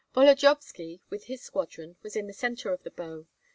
Volodyovski with his squadron was in the centre of the bow.